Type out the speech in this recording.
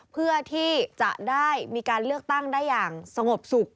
เพื่อที่จะได้มีการเลือกตั้งได้อย่างสงบสุข